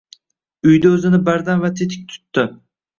Uydan o‘zini bardam va tetik tutdi.